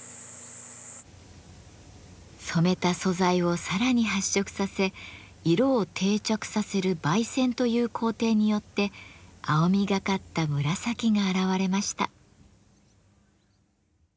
染めた素材をさらに発色させ色を定着させる媒染という工程によって青みがかった紫が現れました。